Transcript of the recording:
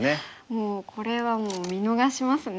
もうこれは見逃しますね。